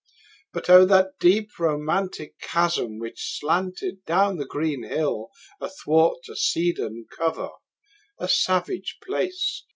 But O, that deep romantic chasm which slanted Down the green hill athwart a cedarn cover! A savage place!